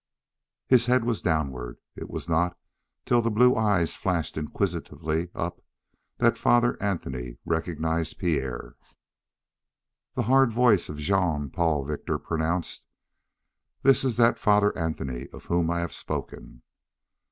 His head was downward; it was not till the blue eyes flashed inquisitively up that Father Anthony recognized Pierre. The hard voice of Jean Paul Victor pronounced: "This is that Father Anthony of whom I have spoken."